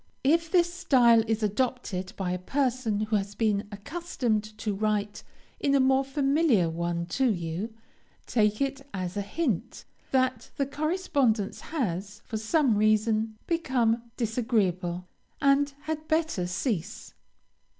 If this style is adopted by a person who has been accustomed to write in a more familiar one to you, take it as a hint, that the correspondence has, for some reason, become disagreeable, and had better cease.